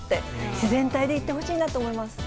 自然体でいってほしいなと思います。